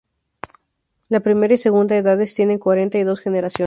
La primera y segunda edades tiene cuarenta y dos generaciones.